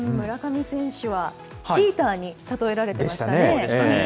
村上選手は、チーターに例えられてましたね。